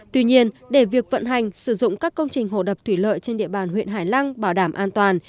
tuy nhiên để việc vận hành sử dụng các công trình hồ đập thủy lợi trên địa bàn huyện hải lăng bảo đảm an toàn